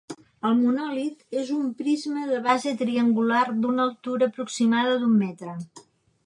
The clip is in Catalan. El monòlit és un prisma de base triangular d'una altura aproximada d'un metre.